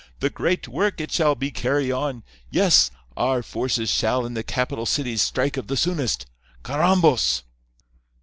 The great work it shall be carry on. Yes. Our forces shall in the capital city strike of the soonest. _Carrambos!